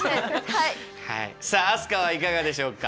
はいさあ飛鳥はいかがでしょうか？